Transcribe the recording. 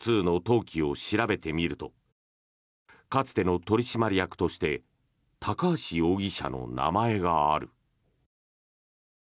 更に、コモンズ２の登記を調べてみるとかつての取締役として高橋容疑者の名前がある。